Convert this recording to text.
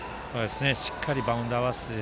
しっかりバウンドを合わせて。